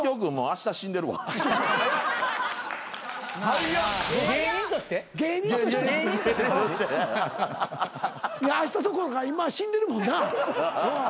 あしたどころか今死んでるもんな。